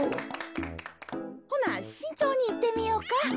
ほなしんちょうにいってみよか。